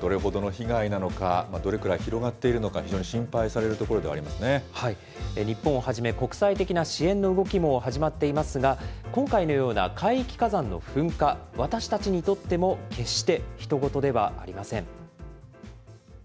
どれほどの被害なのか、どれくらい広がっているのか、非常に日本をはじめ、国際的な支援の動きも始まっていますが、今回のような海域火山の噴火、私たちにとっても決してひと事ではありません。